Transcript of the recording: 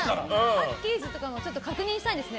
パッケージとかも確認したいですね。